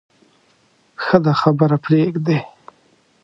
ښه ده خبره پرېږدې.